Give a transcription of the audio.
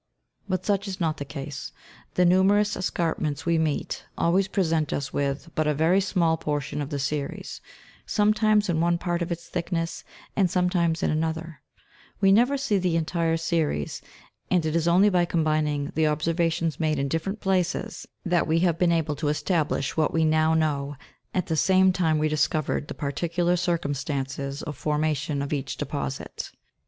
But such is not the case ; the numerous escarpments we meet, always present us with but a very small portion of the series, sometimes in one part of its thickness, and sometimes in another ; we never see the entire series ; and it is only by combining the observations made in different places, that we have been able to establish what we now know, at the same time we discovered the particular circumstances of formation of each deposit.